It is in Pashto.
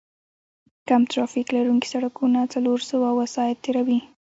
کم ترافیک لرونکي سړکونه څلور سوه وسایط تېروي